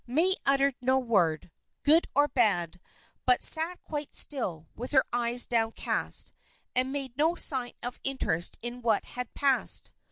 May uttered no word, good or bad, but sat quite still, with her eyes downcast, and made no sign of interest in what had passed.